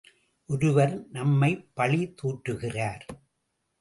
ஒருவர் நம்மைப் பழி தூற்றுகிறார்!